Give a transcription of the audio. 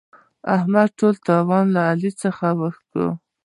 احمد ټول تاو له علي څخه وکيښ.